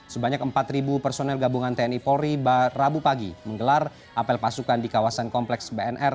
sebanyak empat personel gabungan tni polri rabu pagi menggelar apel pasukan di kawasan kompleks bnr